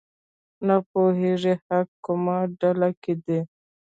نه پوهېږي حق کومه ډله کې دی.